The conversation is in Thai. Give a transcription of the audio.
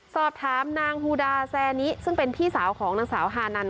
สอบถามนางฮูดาแซนิซึ่งเป็นพี่สาวของนางสาวฮานัน